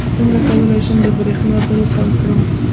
څنګه کولی شم د بریښنا بل کم کړم